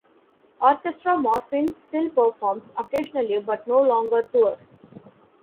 Orchestra Morphine still performs occasionally but no longer tours.